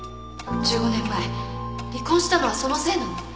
１５年前離婚したのはそのせいなの？